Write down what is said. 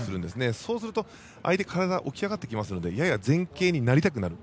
そうすると相手の体は起き上がってきますのでやや前傾になりたくなる。